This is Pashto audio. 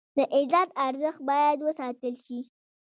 د عزت ارزښت باید وساتل شي.